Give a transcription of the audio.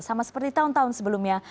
sama seperti tahun tahun sebelumnya